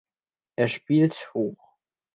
Er spielt hoch.